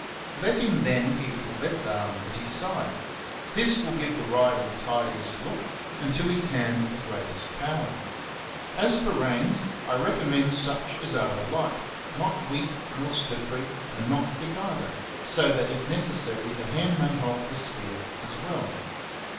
Let him then keep his left arm at his side ; this will give the rider the tidiest look, and to 42 XENOPHON ON HORSEMANSHIP. his hand the greatest power. As for reins, I recommend such as are alike, not weak nor slippery and not thick either, so that if necessary the hand may hold the spear as well.